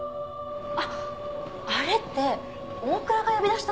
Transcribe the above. あっあれって大倉が呼び出したんだよ。